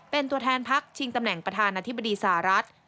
เป็นตัวแทนพักชิงตำแหน่งประธานาธิบดีสหรัฐ